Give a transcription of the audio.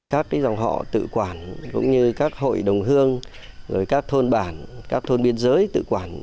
các dòng họ tự quản cũng như các hội đồng hương rồi các thôn bản các thôn biên giới tự quản